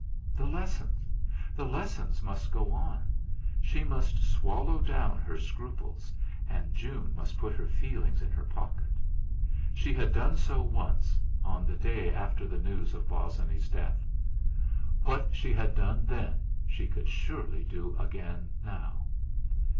The lessons! The lessons must go on! She must swallow down her scruples, and June must put her feelings in her pocket. She had done so once, on the day after the news of Bosinney's death; what she had done then, she could surely do again now.